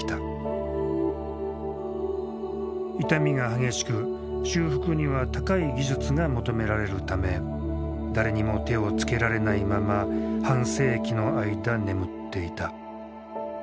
傷みが激しく修復には高い技術が求められるため誰にも手をつけられないまま半世紀の間眠っていた。